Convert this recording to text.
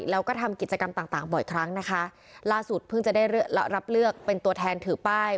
แล้วก็ทำกิจกรรมต่างต่างบ่อยครั้งนะคะล่าสุดเพิ่งจะได้รับเลือกเป็นตัวแทนถือป้าย